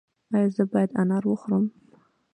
ایا زه باید انار وخورم؟